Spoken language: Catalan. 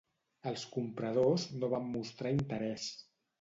Els compradors no van mostrar interès.